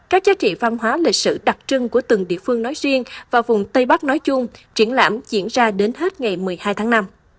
các giá trị văn hóa lịch sử đặc trưng của từng địa phương nói riêng và vùng tây bắc nói chung triển lãm diễn ra đến hết ngày một mươi hai tháng năm